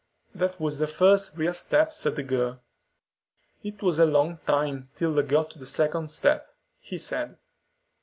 "That was the first real step," said the girl. "It was a long time till they got to the second step," he said.